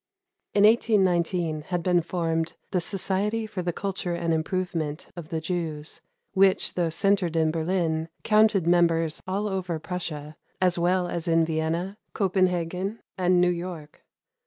In 1819 had been formed the "Society for the Culture and Improvement of the Jews," which, though centered in Berlin, counted members all over Prussia, as well as in Vienna, Copenhagen, and New York.